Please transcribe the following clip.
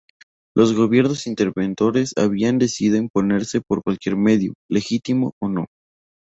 Los gobiernos interventores habían decidido imponerse por cualquier medio, legítimo o no.